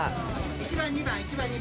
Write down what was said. １番、２番、１番、２番。